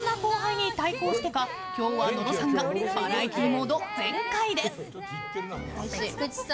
そんな後輩に対抗してか今日は野呂さんがバラエティーモード全開です。